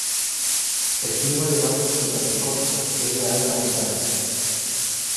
El clima de Baños de Panticosa es de alta montaña.